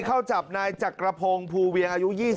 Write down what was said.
เข้าจับนายจักรพงศ์ภูเวียงอายุ๒๒